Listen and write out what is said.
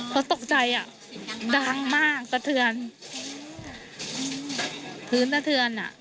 เขาตกใจอ่ะดังมากสะเทือนพื้นสะเทือนอ่ะ